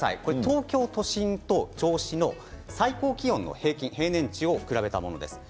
東京都心と銚子の最高気温の平年値を比べたものです。